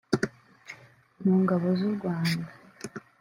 mu Ngabo z’u Rwanda